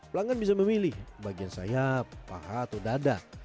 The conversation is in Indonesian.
pelanggan bisa memilih bagian sayap paha atau dada